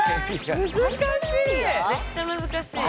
難しい。